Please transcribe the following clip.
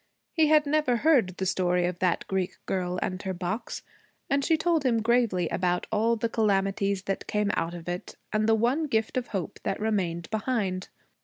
He had never heard the story of that Greek girl and her box, and she told him gravely about all the calamities that came out of it, and the one gift of hope that remained behind.